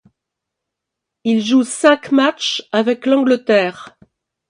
Il joue cinq matchs avec l'Angleterre.